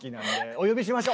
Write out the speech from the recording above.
お呼びしましょう。